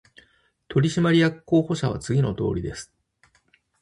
取締役候補者は次のとおりです